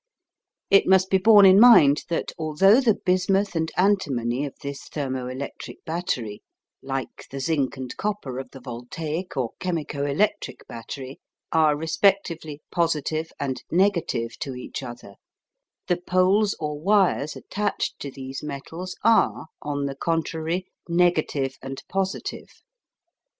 It must be borne in mind that although the bismuth and antimony of this thermo electric battery, like the zinc and copper of the voltaic or chemico electric battery, are respectively positive and negative to each other, the poles or wires attached to these metals are, on the contrary, negative and positive.